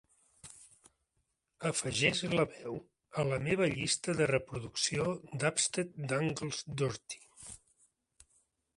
afegeix la veu a la meva llista de reproducció "Dubstep Dangles Dirty".